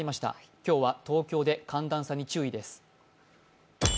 今日は東京で寒暖差に注意です。